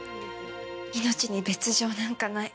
命に別条なんかない。